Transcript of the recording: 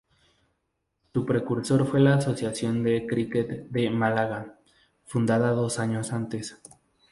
Su precursor fue la Asociación de Cricket de Málaga, fundada dos años antes.